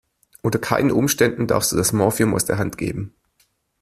Unter keinen Umständen darfst du das Morphium aus der Hand geben.